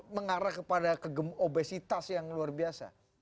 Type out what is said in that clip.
mengarah kepada kegem obesitas yang luar biasa